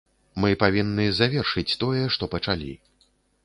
Мы павінны завершыць тое, што пачалі.